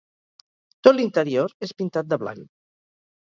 Tot l'interior és pintat de blanc.